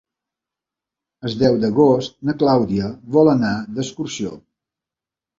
El deu d'agost na Clàudia vol anar d'excursió.